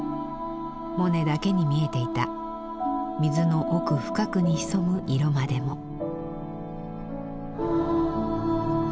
モネだけに見えていた水の奥深くに潜む色までも。